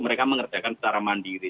mereka mengerjakan secara mandiri